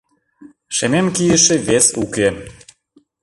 Шемем кийыше вес уке.